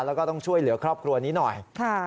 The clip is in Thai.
แล้วก็ต้องช่วยเหลือครอบครัวนี้หน่อย